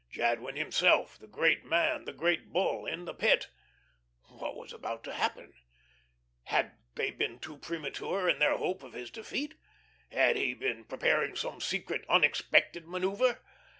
Jadwin himself, the great man, the "Great Bull" in the Pit! What was about to happen? Had they been too premature in their hope of his defeat? Had he been preparing some secret, unexpected manoeuvre?